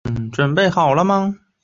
中国人民解放军上将。